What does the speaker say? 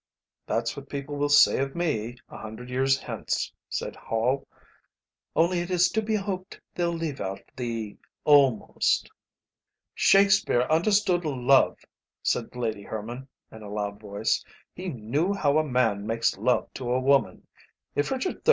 "That's what people will say of me a hundred years hence," said Hall; "only it is to be hoped they'll leave out the 'almost.'" "Shakespeare understood love," said Lady Herman, in a loud voice; "he knew how a man makes love to a woman. If Richard III.